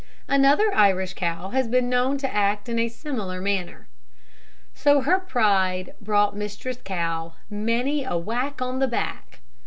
Another Irish cow has been known to act in a similar manner. So her pride brought Mistress Cow many a whack on the back.